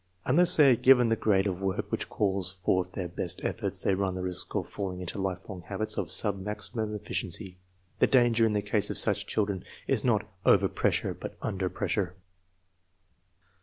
Unless they are given the grade of work which calls forth their best efforts, they run the risk of falling into lifelong habits of submuximum efficiency. The danger ia the case of such children is not over pressure, but under prcssure.